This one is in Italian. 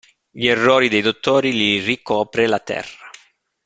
Gli errori dei dottori li ricopre la terra.